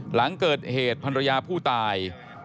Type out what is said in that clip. หลังเกิดเหตุภรรยาผู้ตาย